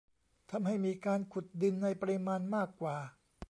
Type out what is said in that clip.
ทำให้มีการขุดดินในปริมาณมากกว่า